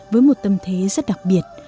với một tâm thế rất đặc biệt